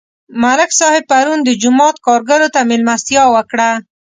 ملک صاحب پرون د جومات کارګرو ته مېلمستیا وکړه.